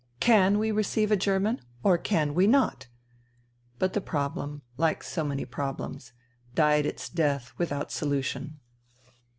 Can we receive a German, or can we not ?" But the problem, like so many problems, died its death without solution.